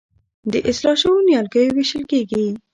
د اصلاح شویو نیالګیو ویشل کیږي.